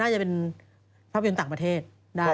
จะเป็นภาพยนตร์ต่างประเทศได้